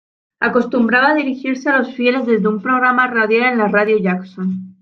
Acostumbraba dirigirse a los fieles desde un programa radial en la Radio Jackson.